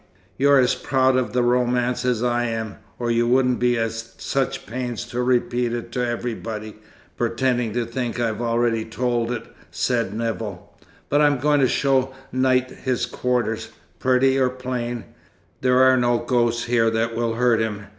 "You're as proud of the romance as I am, or you wouldn't be at such pains to repeat it to everybody, pretending to think I've already told it," said Nevill. "But I'm going to show Knight his quarters. Pretty or plain, there are no ghosts here that will hurt him.